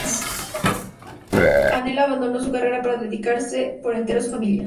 Anel abandonó su carrera para dedicarse por entero a su familia.